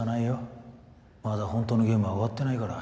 まだほんとのゲームは終わってないから。